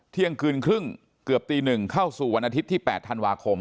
เที่ยงคืนครึ่งเกือบตี๑เข้าสู่วันอาทิตย์ที่๘ธันวาคม